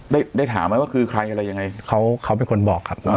ได้ได้ถามไหมว่าคือใครอะไรยังไงเขาเขาเป็นคนบอกครับ